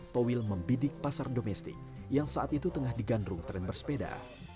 toil membidik pasar domestik yang saat itu tengah digandrung tren bersepeda